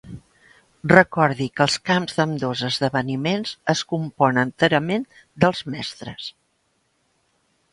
Recordi que els camps d'ambdós esdeveniments es compon enterament dels Mestres.